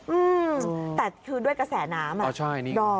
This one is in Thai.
อืมแต่คือด้วยกระแสน้ำอ่ะอ๋อใช่นี่